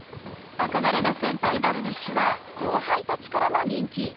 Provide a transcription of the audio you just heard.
憧れの先輩・ダルビッシュは後輩たちからも人気。